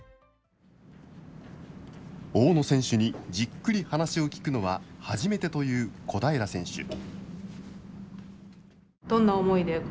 大野選手にじっくり話を聞くのは初めてという小平選手。